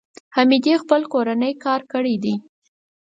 حمیدې خپل کورنی کار کړی دی.